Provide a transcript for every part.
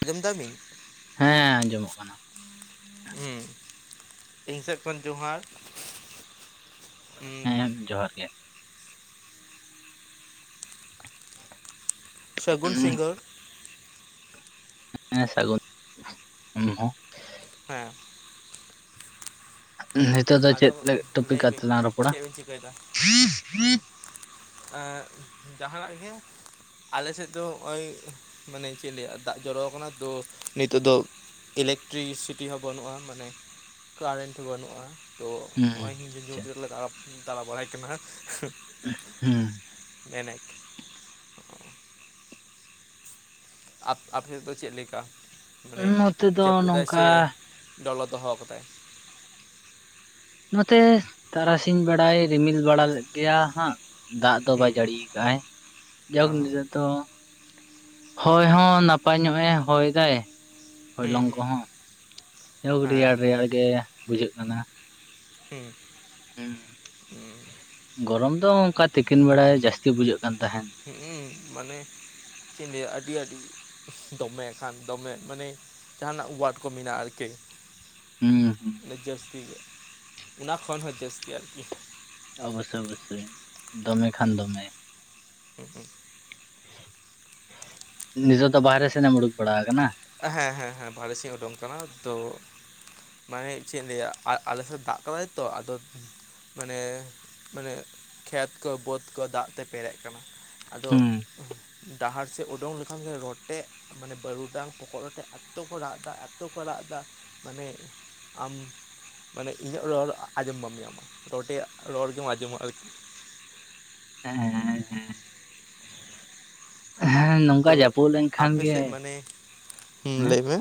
ᱟᱸᱡᱚᱢ ᱫᱟᱵᱤᱱ? ᱦᱮᱸ ᱟᱸᱡᱚᱢᱚᱜ ᱠᱟᱱᱟ᱾ ᱦᱩᱸ ᱤᱧ ᱥᱮᱫ ᱠᱷᱚᱱ ᱡᱚᱦᱟᱨ᱾ ᱦᱮᱸ, ᱡᱚᱦᱟᱨ ᱜᱮ᱾ [inaudible] ᱥᱟᱹᱜᱩᱱ ᱥᱤᱝᱜᱟᱹᱨ᱾ ᱦᱮᱸ ᱥᱟᱹᱜᱩᱱ, ᱦᱚᱸ᱾ ᱦᱮᱸ᱾ ᱱᱷᱮᱛᱚᱜ ᱫᱚ ᱟᱫᱚ ᱪᱮᱫ ᱞᱟ., ᱞᱟᱹᱭ ᱵᱤᱱ ᱴᱚᱯᱤᱠᱟᱛᱮ ᱞᱟᱝ ᱨᱚᱯᱚᱲᱟ? ᱪᱮᱫ ᱵᱤᱱ ᱪᱤᱠᱟᱹᱭᱮᱫᱟ ᱮᱸᱜ ᱡᱟᱦᱟᱱᱟᱜ ᱜᱮ᱾ ᱟᱞᱮ ᱥᱮᱫ ᱫᱚ ᱱᱚᱜ-ᱚᱸᱭ, ᱢᱟᱱᱮ ᱪᱮᱫ ᱞᱟᱹᱭᱟ ᱫᱟᱜ ᱡᱚᱨᱚ ᱟᱠᱟᱱᱟ ᱛᱚ ᱱᱤᱛᱚᱜ ᱫᱚ ᱤᱞᱮᱠᱴᱨᱤᱥᱤᱴᱤ ᱦᱚᱸ ᱵᱟᱹᱱᱩᱜᱼᱟ, ᱢᱟᱱᱮ ᱠᱟᱨᱮᱱᱴ ᱦᱚᱸ ᱵᱟᱹᱱᱩᱜᱼᱟ᱾ ᱛᱚ ᱦᱚᱸᱜ ᱦᱩᱸ ᱚᱭ ᱟᱪᱪᱷᱟ ᱫᱟᱬᱟ ᱵᱟᱲᱟᱭ ᱠᱟᱱᱟ ᱦᱟᱸᱜ ᱾ ᱮᱦᱸ ᱢᱮᱱᱮᱜ ᱟᱯ, ᱟᱯᱮᱫ ᱫᱚ ᱪᱮᱫ ᱞᱮᱠᱟ? ᱦᱚᱸ, ᱱᱚᱛᱮ ᱫᱚ ᱱᱚᱝᱠᱟ ᱾ ᱫᱚᱣᱞᱚᱛ ᱫᱚᱦᱚ ᱟᱠᱟᱫᱟᱭ ᱾ ᱱᱚᱛᱮ ᱛᱟᱨᱟᱥᱤᱧ ᱵᱮᱲᱟᱭ ᱨᱤᱢᱤᱞ ᱵᱟᱲᱟ ᱞᱮᱫ ᱜᱮᱭᱟ ᱦᱟᱸᱜ ᱾ ᱫᱟᱜ ᱫᱚ ᱵᱟᱭ ᱦᱩᱸ ᱡᱟᱹᱲᱤᱭᱟ ᱠᱟᱜ ᱟᱭ, ᱚ ᱡᱟᱣ ᱜᱮ ᱡᱟᱹ ᱛᱚ ᱦᱚᱭ ᱦᱚᱸ ᱱᱟᱯᱟᱭ ᱧᱚᱜ ᱮ ᱦᱚᱭ ᱫᱟᱭ ᱾ ᱦᱩᱸ ᱦᱚᱭᱞᱚᱝ ᱦᱩᱸ ᱠᱚᱦᱚᱸ, ᱟᱹᱣ ᱦᱮᱸ ᱨᱮᱭᱟᱲ ᱨᱮᱭᱟᱲ ᱜᱮ ᱵᱩᱡᱷᱟᱹᱜ ᱠᱟᱱᱟ ᱾ ᱦᱩᱸ, ᱦᱩᱸ᱾ ᱜᱚᱨᱚᱢ ᱫᱚ ᱚᱱᱠᱟ ᱛᱤᱠᱤᱱ ᱵᱮᱲᱟ ᱡᱟᱹᱥᱛᱤ ᱵᱩᱡᱷᱟᱹᱜ ᱠᱟᱱ ᱛᱟᱦᱮᱸᱱ ᱾ ᱦᱩᱸ ᱢᱟᱱᱮ ᱪᱤᱧ ᱞᱟᱹᱭᱟ ᱟᱹᱰᱤ ᱟᱹᱰᱤ ᱫᱚᱢᱮ ᱠᱷᱟᱱ ᱫᱚᱢᱮ ᱢᱟᱱᱮ ᱡᱟᱸᱦᱟᱱᱟᱜ ᱚᱣᱟᱨᱰ ᱠᱚ ᱢᱮᱱᱟᱜᱼᱟ ᱟᱨᱠᱤ? ᱦᱩᱸ ᱦᱩᱸ ᱡᱟᱹᱥᱛᱤ ᱜᱮ ᱚᱱᱟ ᱠᱷᱚᱱ ᱦᱚᱸ ᱡᱟᱹᱥᱛᱤ ᱟᱨᱠᱤ ᱾ ᱚᱵᱚᱥᱚᱭ ᱚᱵᱚᱥᱚᱭ, ᱫᱚᱢᱮ ᱠᱷᱟᱱ ᱦᱩᱸ ᱫᱚᱢᱮ ᱾ [inaudible] ᱱᱤᱡᱚ ᱫᱚ ᱵᱟᱦᱟᱨᱮ ᱥᱮᱱᱮᱢ ᱩᱰᱩᱠ ᱵᱟᱲᱟ ᱟᱠᱟᱱᱟ? ᱦᱮᱸ ᱦᱮᱸ ᱦᱮᱸ, ᱵᱟᱦᱨᱮᱥᱮᱧ ᱩᱰᱩᱝ ᱟᱠᱟᱱᱟ ᱛᱚ ᱢᱟᱱᱮ ᱪᱮᱫ ᱤᱧ ᱞᱟᱹᱭᱟ, ᱟ ᱟᱞᱮ ᱥᱮᱫ ᱫᱟᱜ ᱠᱮᱫᱟᱭ ᱛᱚ ᱟᱫᱚ ᱢᱟᱱᱮ ᱢᱟᱱᱮ, ᱠᱷᱮᱛ ᱠᱚ ᱵᱟᱹᱫ ᱠᱚ ᱫᱟᱜ ᱛᱮ ᱯᱮᱨᱮᱜ ᱠᱟᱱᱟ ᱾ ᱟᱫᱚ ᱦᱩᱸ ᱰᱟᱦᱟᱨ ᱥᱮᱫ ᱩᱰᱩᱝ ᱞᱮᱠᱷᱟᱱ ᱜᱮ, ᱨᱚᱴᱮ ᱢᱟᱱᱮ ᱵᱟᱹᱨᱩᱜ-ᱰᱟᱝ ᱯᱚᱜ-ᱨᱚᱴᱮ ᱮᱛᱚ ᱠᱚ ᱨᱟᱜ ᱮᱫᱟ ᱮᱛᱚ ᱠᱚ ᱨᱟᱜ ᱮᱫᱟ ᱢᱟᱱᱮ, ᱟᱢ ᱢᱟᱱᱮ ᱤᱧᱟᱹᱜ ᱨᱚᱲ ᱟᱸᱡᱚᱢ ᱵᱟᱢ ᱧᱟᱢᱟ, ᱨᱚᱴᱮᱭᱟᱜ ᱨᱚᱲ ᱜᱮᱢ ᱟᱸᱡᱚᱢᱟ ᱟᱨᱠᱤ ᱾ ᱦᱮᱸ ᱮᱦᱸ ᱦᱮᱸ ᱾ ᱦᱮᱸ ᱱᱚᱝᱠᱟ ᱛᱚ ᱡᱟᱹᱯᱩᱫ ᱞᱮᱱᱠᱷᱟᱱ ᱟᱯᱮ ᱜᱮ, ᱥᱮᱫ ᱢᱟᱱᱮ ᱦᱩᱸ ᱦᱮᱸ ᱞᱟᱹᱭ ᱾ ᱢᱮ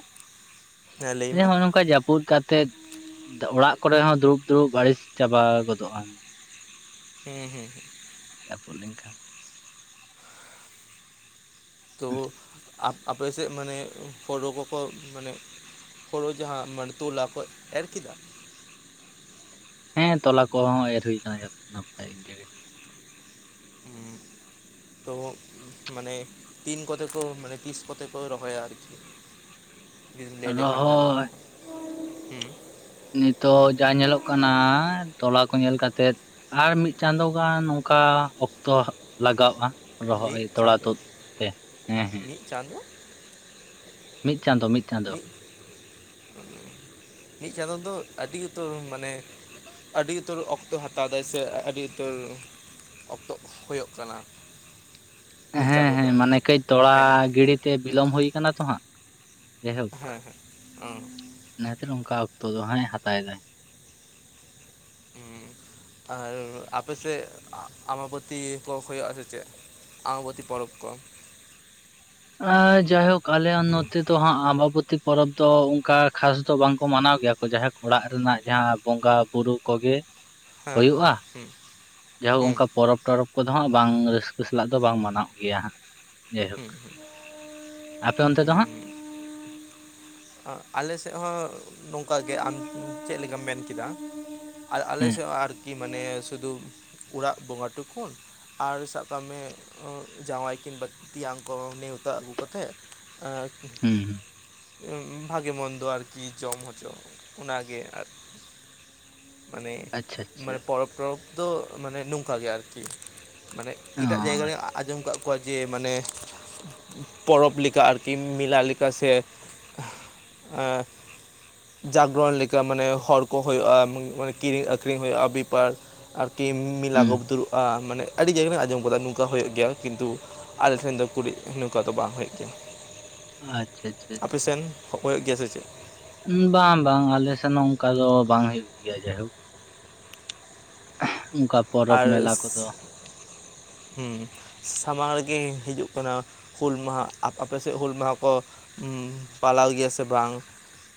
ᱦᱮᱸ ᱞᱟᱹᱭ ᱡᱮ ᱢᱮ ᱦᱚᱸᱜ ᱱᱚᱝᱠᱟ ᱡᱟᱹᱯᱩᱫ ᱠᱟᱛᱮᱫ ᱚᱲᱟᱜ ᱠᱚᱨᱮ ᱦᱚᱸ ᱫᱩᱲᱩᱵ ᱫᱩᱲᱩᱵ ᱟᱹᱲᱤᱥ ᱪᱟᱵᱟ ᱜᱚᱫᱚᱜᱼᱟᱢ ᱾ ᱦᱮᱸ ᱦᱮᱸ ᱦᱮᱸ᱾ ᱨᱟᱹᱯᱩᱫ ᱞᱮᱱᱠᱷᱟᱱ ᱾ ᱛᱚ ᱟᱯ ᱟᱯᱮ ᱥᱮᱫ ᱢᱟᱱᱮ, ᱯᱷᱚᱨᱚ ᱠᱚᱠᱚ ᱢᱟᱱᱮ- ᱯᱷᱚᱨᱚ ᱡᱟᱦᱟᱸ ᱢᱟᱱᱮ ᱛᱚᱞᱟ ᱠᱚᱡ ᱮᱨ ᱠᱮᱫᱟ ᱾ ᱦᱮᱸ ᱛᱚᱞᱟ ᱠᱚᱦᱚᱸ ᱮᱨ ᱦᱩᱭ ᱟᱠᱟᱱᱟ ᱡᱚᱛᱚ ᱱᱟᱯᱟᱭ ᱜᱮ ᱾ [unintelligible] ᱛᱚ ᱢᱟᱱᱮ ᱛᱤᱱ ᱠᱚᱛᱮ ᱠᱚ ᱢᱟᱱᱮ ᱛᱤᱥ ᱠᱚᱛᱮ ᱠᱚ ᱨᱚᱦᱚᱭᱟ ᱟᱨ ᱠᱤ ᱡᱩᱫᱤᱢ ᱞᱟᱹᱭ ᱞᱮᱠᱷᱟᱱᱼᱟ ᱫᱚ ᱨᱚᱦᱚᱭ ᱵᱷᱟᱜᱮ ᱦᱚᱸ ᱱᱤᱛᱚᱜ ᱡᱟᱦᱟᱸ ᱧᱮᱞᱚᱜ ᱠᱟᱱᱟ ᱛᱚᱞᱟ ᱠᱚ ᱧᱮᱞ ᱠᱟᱛᱮᱫ ᱟᱨ ᱢᱤᱫ ᱪᱟᱸᱫᱚ ᱜᱟᱱ ᱱᱚᱝᱠᱟ ᱚᱠᱛᱚ ᱦᱟᱸᱜ ᱞᱟᱜᱟᱜᱼᱟ ᱾ ᱢᱤᱫ ᱨᱚᱦᱚᱭ ᱛᱚᱲᱟ ᱛᱩᱫ ᱛᱮ ᱦᱮᱸ ᱦᱮᱸ ᱾ ᱪᱟᱸᱫᱚ ᱢᱤᱫ ᱪᱟᱸᱫᱚ ᱢᱤᱫ ᱪᱟᱸᱫᱳ ᱢᱤᱫ, ᱢᱤᱫ ᱪᱟᱸᱫᱚ ᱫᱚ ᱟᱹᱰᱤ ᱩᱛᱟᱹᱨ ᱢᱟᱱᱮ ᱾ ᱟᱹᱰᱤ ᱩᱛᱟᱹᱨ ᱚᱠᱛᱚ ᱦᱟᱛᱟᱣ ᱫᱟᱭ ᱥᱮ ᱟᱹᱰᱤ ᱩᱛᱟᱹᱨ ᱚᱠᱛᱚ ᱦᱩᱭᱩᱜ ᱠᱟᱱᱟ ᱢᱤᱫ ᱦᱮᱸ ᱪᱟᱸᱫᱳ ᱦᱮᱸ ᱫᱚ ᱢᱟᱱᱮ ᱠᱟᱹᱡ ᱛᱚᱲᱟ ᱢᱮᱱᱮᱫ ᱜᱤᱲᱤ ᱛᱮ ᱵᱤᱞᱚᱢ ᱦᱩᱭ ᱠᱟᱱᱟ ᱛᱚ ᱦᱟᱸᱜ ᱡᱟᱭᱦᱳᱠ ᱦᱮᱸ ᱦᱮᱸ ᱚᱸ ᱚᱱᱟ ᱠᱷᱟᱹᱛᱤᱨ ᱚᱱᱠᱟ ᱚᱠᱛᱚ ᱫᱚ ᱦᱟᱸᱜ ᱦᱟᱛᱟᱣ ᱮᱫᱟᱭ ᱦᱩᱸ ᱟᱨ ᱟᱯᱮ ᱥᱮᱫ ᱟᱵᱟᱵᱚᱛᱤ ᱠᱚ ᱦᱳᱭᱳᱜᱼᱟ ᱥᱮ ᱪᱮᱫ ᱟᱵᱟᱵᱚᱛᱤ ᱯᱚᱨᱚᱵ ᱠᱚ ᱟ ᱡᱟᱭᱦᱳᱠ ᱟᱞᱮ ᱦᱩᱸ ᱱᱚᱛ ᱛᱚ ᱦᱟᱸᱜ ᱟᱵᱟᱵᱚᱛᱤ ᱯᱚᱨᱚᱵᱽ ᱫᱚ ᱚᱱᱠᱟ ᱠᱷᱟᱥ ᱫᱚ ᱵᱟᱝᱠᱚ ᱢᱟᱱᱟᱣ ᱜᱮᱭᱟ ᱠᱚ ᱡᱟᱸᱦᱟ ᱚᱲᱟᱜ ᱨᱮᱱᱟᱜ ᱡᱟᱸᱦᱟ ᱵᱚᱸᱜᱟ ᱵᱩᱨᱩ ᱠᱚᱜᱮ ᱦᱮᱸ ᱦᱮᱸ ᱦᱳᱭᱳᱜᱼᱟ ᱦᱩᱸ ᱡᱟᱭᱦᱳᱠ ᱦᱩᱸ ᱚᱱᱠᱟ ᱯᱚᱨᱚᱵᱽ ᱴᱚᱨᱚᱵ ᱠᱚᱫᱚ ᱦᱟᱸᱜ ᱵᱟᱝ ᱨᱟᱹᱥᱠᱟᱹ ᱥᱟᱞᱟᱜ ᱫᱚ ᱵᱟᱝ ᱢᱟᱱᱟᱣ ᱜᱮᱭᱟ ᱦᱟᱸᱜ ᱡᱟᱭᱦᱳᱠ ᱟᱯᱮᱚᱱᱛᱮ ᱫᱚᱦᱟᱜ ᱟᱞᱮ ᱥᱮᱫ ᱦᱚᱸ ᱱᱚᱝᱠᱟ ᱜᱮ ᱟᱢ ᱪᱮᱫ ᱞᱮᱠᱟᱢ ᱢᱮᱱ ᱠᱮᱫᱟ ᱟᱢ ᱟᱨ ᱟᱞᱮ ᱦᱮᱸ ᱥᱮᱫ ᱦᱚᱸ ᱟᱨᱠᱤ ᱢᱟᱱᱮ ᱥᱩᱫᱩ ᱚᱲᱟᱜ ᱵᱚᱸᱜᱟ ᱴᱩ ᱠᱩᱱ ᱟᱨ ᱥᱟᱵ ᱠᱟᱜ ᱢᱮ ᱡᱟᱶᱟᱭ ᱠᱤᱱ ᱛᱮᱧᱟᱝ ᱠᱚ ᱱᱮᱣᱛᱟ ᱟᱹᱜᱩ ᱠᱟᱛᱮᱫ [unintelligible] ᱟᱪᱪᱷᱟ ᱦᱩᱸ ᱦᱩᱸ ᱵᱷᱟᱜᱮ ᱢᱚᱱᱫᱚ ᱟᱨᱠᱤ ᱡᱚᱢ ᱦᱚᱪᱚ ᱚᱱᱟ ᱜᱮ ᱢᱟᱱᱮ ᱟᱪᱪᱷᱟ ᱟᱪᱪᱷᱟ ᱢᱟᱱᱮ ᱯᱚᱨᱚᱵᱽ ᱴᱚᱨᱚᱵ ᱫᱚ ᱢᱟᱱᱮ ᱱᱚᱝᱠᱟ ᱜᱮ ᱟᱨᱠᱤ ᱢᱟᱱᱮ ᱚ ᱮᱴᱟᱜ ᱡᱟᱭᱜᱟ ᱨᱮᱧ ᱟᱸᱡᱚᱢ ᱠᱟᱜ ᱠᱚᱣᱟ ᱡᱮ ᱢᱟᱱᱮ ᱯᱚᱨᱚᱵᱽ ᱞᱮᱠᱟ ᱟᱨᱠᱤ ᱢᱮᱞᱟ ᱞᱮᱠᱟ ᱥᱮ ᱡᱟᱜᱽᱨᱚᱱ ᱞᱮᱠᱟ ᱢᱟᱱᱮ ᱦᱚᱲ ᱠᱚ ᱦᱳᱭᱳᱜᱼᱟ ᱢᱟᱱᱮ ᱠᱤᱨᱤᱧ ᱟᱹᱠᱷᱨᱤᱧ ᱦᱳᱭᱳᱜᱼᱟ ᱵᱮᱯᱟᱨ ᱟᱨᱠᱤ ᱢᱮᱞᱟ ᱦᱩᱸ ᱠᱚ ᱫᱩᱲᱩᱵᱟ ᱢᱟᱱᱮ ᱟᱹᱰᱤ ᱡᱟᱭᱜᱟ ᱨᱮ ᱟᱸᱡᱚᱢ ᱟᱠᱟᱫᱟ ᱱᱚᱝᱠᱟ ᱦᱳᱭᱳᱜ ᱜᱮᱭᱟ ᱠᱤᱱᱛᱩ ᱟᱞᱮ ᱴᱷᱮᱱ ᱫᱚ [unintelligible] ᱱᱚᱝᱠᱟ ᱫᱚ ᱵᱟᱝ ᱦᱳᱭᱳᱜ ᱜᱮᱭᱟ ᱟᱪᱪᱷᱟ ᱟᱪᱪᱷᱟ ᱟᱯᱮ ᱟᱪᱪᱷᱟ ᱥᱮᱱ [unintelligible] ᱜᱮᱭᱟ ᱥᱮ ᱪᱮᱫ ᱵᱟᱝ ᱵᱟᱝ ᱟᱞᱮ ᱥᱮᱱ ᱦᱚᱸ ᱚᱱᱠᱟ ᱫᱚ ᱵᱟᱝ ᱦᱳᱭᱳᱜ ᱜᱮᱭᱟ ᱡᱟᱭᱦᱳᱠ ᱚᱱᱠᱟ ᱯᱚᱨᱚᱵᱽ ᱟᱨ ᱢᱮᱞᱟ ᱠᱚᱫᱚ ᱥᱟᱢᱟᱝ ᱨᱮᱜᱮ ᱦᱤᱡᱩᱜ ᱠᱟᱱᱟ ᱦᱩᱹᱞ ᱢᱟᱦᱟ ᱟᱯᱮ ᱥᱮᱫ ᱦᱩᱹᱞ ᱢᱟᱦᱟ ᱠᱚ ᱯᱟᱞᱟᱣ ᱜᱮᱭᱟ ᱥᱮ ᱵᱟᱝ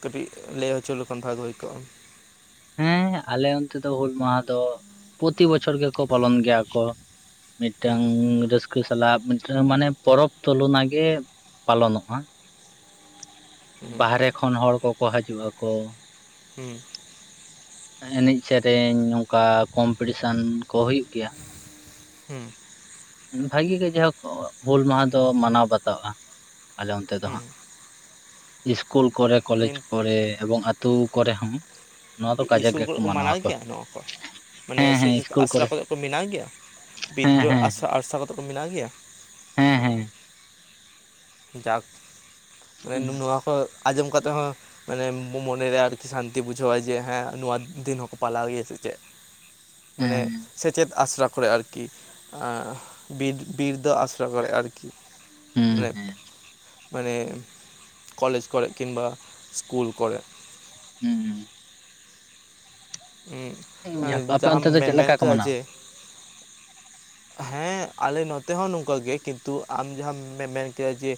ᱠᱟᱹᱴᱤᱡ ᱞᱟᱹᱭ ᱦᱚᱪᱚ ᱞᱮᱠᱷᱟᱱ ᱵᱷᱟᱜᱮ ᱦᱳᱭ ᱠᱚᱜᱼᱟ ᱦᱮᱸ ᱟᱞᱮ ᱚᱱᱛᱮ ᱫᱚ ᱦᱩᱹᱞ ᱢᱟᱦᱟ ᱫᱚ ᱯᱨᱚᱛᱤ ᱵᱚᱪᱷᱚᱨ ᱜᱮᱠᱚ ᱯᱟᱞᱚᱱ ᱜᱮᱭᱟ ᱠᱚ ᱢᱤᱫ ᱴᱟᱝ ᱦᱩᱸ ᱨᱟᱹᱥᱠᱟᱹ ᱥᱟᱞᱟᱜ ᱢᱤᱫ ᱴᱟᱝ ᱢᱟᱱᱮ ᱯᱚᱨᱚᱵᱽ ᱛᱩᱞᱚᱱᱟ ᱜᱮ ᱯᱟᱞᱚᱱᱚᱜᱼᱟ ᱦᱩᱸ ᱵᱟᱦᱨᱮ ᱠᱷᱚᱱ ᱦᱚᱲ ᱠᱚᱠᱚ ᱦᱤᱡᱩᱜ ᱟᱠᱚ ᱦᱩᱸ ᱮᱱᱮᱡ ᱥᱮᱨᱮᱧ ᱚᱱᱠᱟ ᱠᱚᱢᱯᱤᱴᱤᱥᱮᱱ ᱠᱚ ᱦᱳᱭᱳᱜ ᱜᱮᱭᱟ ᱦᱩᱸ ᱵᱷᱟᱹᱜᱤ ᱜᱮ ᱡᱟᱭᱦᱳᱠ ᱦᱩᱹᱞ ᱢᱟᱦᱟ ᱫᱚ ᱢᱟᱱᱟᱣ ᱵᱟᱛᱟᱜᱟ ᱟᱞᱮ ᱚᱱᱛᱮ ᱫᱚ ᱦᱩᱸ ᱦᱟᱸᱜ ᱤᱥᱠᱩᱞ ᱠᱚᱨᱮ ᱠᱚᱞᱮᱡᱽ ᱠᱤᱱᱛᱩ ᱠᱚᱨᱮ ᱮᱵᱚᱝ ᱟᱛᱳ ᱠᱚᱨᱮ ᱦᱚᱸ ᱱᱚᱣᱟ ᱫᱚ ᱠᱟᱡᱟᱠ ᱤᱥᱩᱞ ᱠᱚᱨᱮ ᱜᱮᱠᱚ ᱠᱚ ᱢᱟᱱᱟᱣ ᱟᱠᱚ ᱜᱮᱭᱟ ᱱᱚᱣᱟ ᱠᱚ ᱢᱟᱱᱮ ᱦᱮᱸ ᱦᱮᱸ ᱥᱮᱪᱮᱫ ᱤᱥᱠᱩᱞ ᱠᱚᱨᱮ ᱟᱥᱲᱟ ᱠᱚᱨᱮᱜ ᱠᱚ ᱢᱮᱱᱟᱣ ᱜᱮᱭᱟ ᱦᱮᱸ ᱵᱤᱫᱨᱚ ᱦᱮᱸ ᱟᱥᱟᱲᱟ ᱯᱟᱨᱥᱟ ᱠᱟᱛᱮᱫ ᱠᱚ ᱢᱮᱱᱟᱜ ᱜᱮᱭᱟ ᱦᱮᱸ ᱚ ᱦᱮᱸ ᱡᱟᱠ ᱢᱟᱱᱮ ᱦᱮᱸ ᱱᱚᱣᱟ ᱠᱚ ᱟᱸᱡᱚᱢ ᱠᱟᱛᱮ ᱦᱚᱸ ᱢᱟᱱᱮ ᱢᱚ ᱢᱚᱱᱮᱨᱮ ᱟᱨᱠᱤ ᱥᱟᱱᱛᱤ ᱵᱩᱡᱷᱟᱹᱣᱟᱭ ᱡᱮ ᱦᱮᱸ ᱱᱚᱣᱟ ᱫᱤᱱ ᱦᱚᱸᱠᱚ ᱯᱟᱞᱟᱣ ᱜᱮᱭᱟ ᱥᱮ ᱪᱮᱫ [inaudible] ᱢᱟᱱᱮ ᱥᱮᱪᱮᱫ ᱟᱥᱲᱟ ᱠᱚᱨᱮ ᱟᱨᱠᱤ ᱵᱤᱨ ᱵᱤᱨᱫᱟᱹ ᱟᱥᱲᱟ ᱠᱚᱨᱮ ᱟᱨᱠᱤ ᱦᱮᱸ ᱦᱮᱸ ᱢᱟᱱᱮ ᱦᱮᱸ ᱢᱟᱱᱮ ᱠᱚᱞᱮᱡᱽ ᱠᱚᱨᱮᱜ ᱠᱤᱱᱵᱟ ᱤᱥᱠᱩᱞ ᱠᱚᱨᱮ ᱦᱩᱸ ᱦᱩᱸ ᱡᱟᱠ ᱟᱯᱮ ᱡᱟᱦᱟᱢ ᱚᱱᱛᱮ ᱫᱚ ᱪᱮᱫ ᱢᱮᱱᱢ ᱞᱮᱠᱟ ᱠᱚ ᱠᱮᱫᱟᱼᱟ ᱢᱟᱱᱟᱣᱟ? ᱡᱮ ᱦᱮᱸ ᱟᱞᱮ ᱱᱚᱛᱮ ᱦᱚᱸ ᱱᱚᱝᱠᱟ ᱜᱮ ᱠᱤᱱᱛᱩ ᱟᱢ ᱡᱟᱦᱟᱢ ᱢᱮᱱ ᱠᱮᱜᱟ ᱡᱮ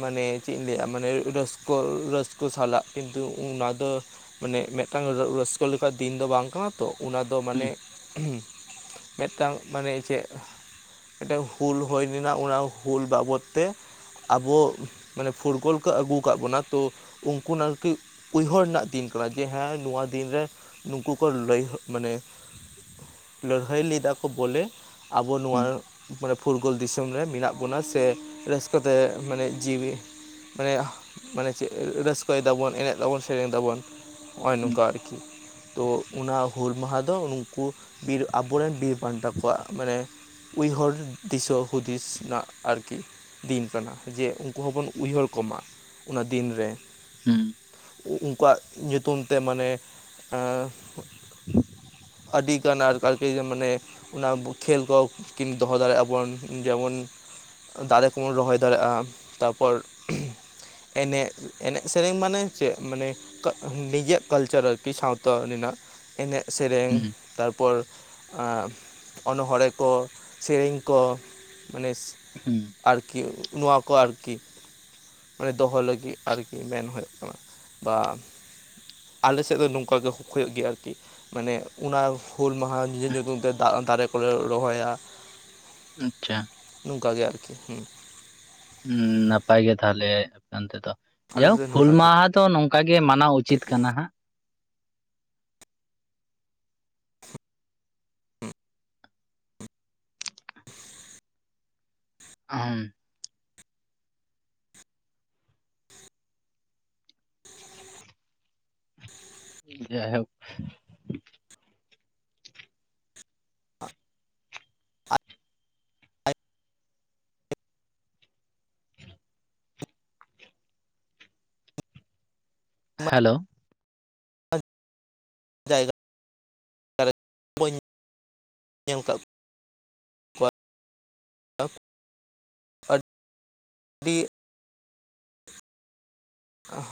ᱢᱟᱱᱮ ᱪᱮᱫ ᱤᱧ ᱞᱟᱹᱭᱼᱟ ᱢᱟᱱᱮ ᱨᱟᱹᱥᱠᱟᱹ ᱨᱟᱹᱥᱠᱟᱹ ᱥᱟᱞᱟᱜ ᱠᱤᱱᱛᱩ ᱚᱱᱟ ᱫᱚ ᱢᱟᱱᱮ ᱢᱮᱫ ᱴᱟᱱ ᱨᱟᱹᱥᱠᱟᱹ ᱞᱮᱠᱟᱱ ᱫᱤᱱ ᱫᱚ ᱵᱟᱝ ᱠᱟᱱᱟ ᱛᱚ ᱚᱱᱟ ᱫᱚ ᱢᱟᱱᱮ ᱦᱩᱸ ᱢᱮᱫᱴᱟᱝ ᱢᱟᱱᱮ ᱪᱮᱜ ᱢᱤᱫᱴᱮᱱ ᱦᱩᱞ ᱦᱳᱭ ᱞᱮᱱᱟ ᱚᱱᱟ ᱦᱩᱞ ᱵᱟᱵᱚᱫ ᱛᱮ ᱟᱵᱚ ᱢᱟᱱᱮ ᱯᱷᱩᱴᱵᱳᱞ ᱠᱚ ᱟᱹᱜᱩ ᱠᱟᱜ ᱵᱚᱱᱟ ᱛᱚ ᱩᱱᱠᱩ ᱱᱟᱨᱠᱤ ᱩᱭᱦᱳᱨ ᱨᱮᱱᱟᱜ ᱫᱤᱱ ᱠᱟᱱᱟ ᱡᱮ ᱦᱮᱸ ᱱᱚᱣᱟ ᱫᱤᱱᱨᱮ ᱱᱩᱠᱩ ᱠᱚ ᱞᱟᱹᱭ ᱢᱟᱱᱮ ᱞᱟᱹᱲᱦᱟᱹᱭ ᱞᱮᱫᱟ ᱠᱚ ᱵᱚᱞᱮ ᱟᱵᱚ ᱱᱚᱣᱟ ᱦᱩᱸ ᱯᱷᱩᱨᱜᱳᱞ ᱫᱤᱥᱚᱢ ᱨᱮ ᱢᱮᱱᱟᱜ ᱵᱚᱱᱟ ᱥᱮ ᱨᱟᱹᱥᱠᱟᱹ ᱛᱮ ᱢᱟᱱᱮ ᱡᱤᱣᱭᱤ ᱢᱟᱱᱮ ᱢᱟᱱᱮ ᱪᱮᱫ ᱨᱟᱹᱥᱠᱟᱹᱭ ᱫᱟᱵᱚᱱ ᱮᱱᱮᱡ ᱫᱟᱵᱚᱱ ᱥᱮᱨᱮᱱ ᱫᱟᱵᱚᱱ ᱱᱚᱜᱚᱭ ᱦᱩᱸ ᱱᱚᱝᱠᱟ ᱟᱨᱠᱤ ᱛᱚ ᱚᱱᱟ ᱦᱩᱞ ᱢᱟᱦᱟ ᱫᱚ ᱩᱱᱠᱩ ᱵᱤᱨ ᱟᱵᱚᱨᱮᱱ ᱵᱤᱨ ᱵᱷᱟᱱᱴᱟ ᱠᱚᱣᱟᱜ ᱢᱟᱱᱮ ᱩᱭᱦᱳᱨ ᱫᱤᱥᱟᱹ ᱦᱩᱫᱤᱥ ᱱᱟᱹᱜ ᱟᱨᱠᱤ ᱫᱤᱱ ᱠᱟᱱᱟ ᱡᱮ ᱩᱝᱠᱩ ᱦᱚᱸᱵᱚᱱ ᱩᱭᱦᱳᱨ ᱠᱚᱢᱟ ᱚᱱᱟ ᱫᱤᱱᱨᱮ ᱦᱩᱸ ᱩᱱᱠᱩᱣᱟᱜ ᱧᱩᱛᱩᱢ ᱛᱮ ᱢᱟᱱᱮ ᱮᱸ ᱟᱹᱰᱤᱜᱟᱱ ᱟᱨ ᱟᱨᱠᱤ ᱢᱟᱱᱮ ᱚᱱᱟ ᱠᱷᱮᱞ ᱠᱚ ᱠᱤᱱ ᱫᱚᱦᱚ ᱫᱟᱲᱮᱜᱼᱟᱵᱚᱱ ᱡᱮᱢᱚᱱ ᱫᱟᱨᱮ ᱠᱚᱵᱚᱱ ᱨᱚᱦᱚᱭ ᱫᱟᱲᱮᱜᱼᱟ ᱛᱟᱨᱯᱚᱨ ᱮᱱᱮᱡ ᱮᱱᱮᱡ ᱥᱮᱨᱮᱧ ᱢᱟᱱᱮ ᱪᱮᱜ ᱢᱟᱱᱮ ᱱᱤᱡᱮᱼᱟᱜ ᱠᱟᱞᱪᱟᱨ ᱟᱨᱠᱤ ᱥᱟᱶᱛᱟ ᱨᱤᱱᱟᱜ ᱮᱱᱮᱜ ᱥᱮᱨᱮᱝ ᱛᱟᱨᱯᱚᱨ ᱮᱸ ᱚᱱᱦᱚᱲᱮᱸ ᱠᱚ ᱥᱮᱨᱮᱧ ᱠᱚ ᱢᱟᱱᱮ ᱦᱩᱸ ᱟᱨᱠᱤ ᱱᱚᱣᱟ ᱠᱚ ᱟᱨᱠᱤ ᱢᱟᱱᱮ ᱫᱚᱦᱚ ᱞᱟᱹᱜᱤᱜ ᱟᱨᱠᱤ ᱢᱮᱱ ᱦᱩᱭᱩᱜ ᱠᱟᱱᱟ ᱵᱟ ᱟᱞᱮ ᱥᱮᱜ ᱫᱚ ᱱᱚᱝᱠᱟ ᱜᱮ ᱦᱳᱭᱳᱜ ᱜᱮᱭᱟ ᱟᱨᱠᱤ ᱢᱟᱱᱮ ᱩᱱᱟ ᱦᱩᱞ ᱢᱟᱦᱟ ᱧᱩ ᱧᱩᱛᱩᱢ ᱛᱮ ᱫᱟᱹ ᱫᱟᱨᱮ ᱠᱚᱞᱮ ᱨᱚᱦᱚᱭᱟ ᱟᱪᱪᱷᱟ ᱱᱚᱝᱠᱟ ᱜᱮ ᱟᱨᱠᱤ ᱦᱩᱸ ᱦᱩᱸ ᱱᱟᱯᱟᱭ ᱜᱮ ᱛᱟᱦᱚᱞᱮ ᱚᱱᱛᱮᱫᱚ ᱟᱞᱮ ᱥᱮᱫ ᱡᱟᱭᱦᱳᱠ ᱫᱚ ᱦᱩᱞ ᱱᱚᱝᱠᱟ ᱜᱮ ᱢᱟᱦᱟ ᱫᱚ ᱱᱚᱝᱠᱟ ᱱᱚᱝᱠᱟ ᱜᱮ ᱢᱟᱱᱟᱣ ᱩᱪᱤᱛ ᱠᱟᱱᱟ ᱦᱟᱸᱜ ᱟᱸ ᱦᱩ ᱡᱟᱭᱦᱳᱠ [inaudible] ᱟᱭᱢᱟ ᱦᱮᱞᱳ [unintelligible] [inaudible] ᱟᱹᱰᱤ ᱚᱸ